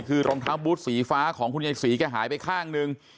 คือรองเท้าบูธสีฟ้าของคุณยายศรีแกหายไปข้างหนึ่ง